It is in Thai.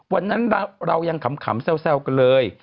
วันนั้นเรายังขำแซวกันเลย